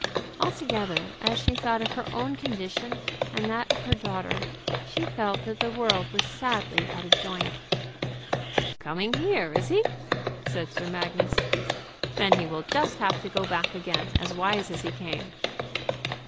Altogether, as she thought of her own condition and that of her daughter, she felt that the world was sadly out of joint. "Coming here, is he?" said Sir Magnus. "Then he will just have to go back again as wise as he came."